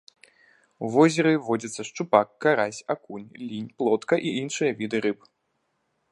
У возеры водзяцца шчупак, карась, акунь, лінь, плотка і іншыя віды рыб.